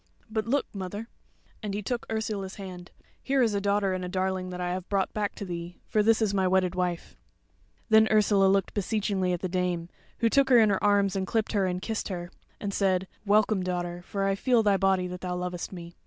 But look, mother," and he took Ursula's hand, "here is a daughter and a darling that I have brought back to thee, for this is my wedded wife." Then Ursula looked beseechingly at the Dame, who took her in her arms and clipped her and kissed her; and said, "Welcome, daughter; for I feel thy body that thou lovest me."